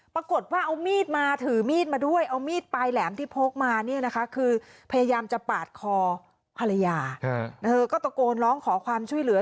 ปรากฏว่าเอามีดมาถือมีดมาด้วยเอามีดปลายแหลมที่พกมาเนี่ยนะคะคือพยายามจะปาดคอภรรยาเธอก็ตะโกนร้องขอความช่วยเหลือ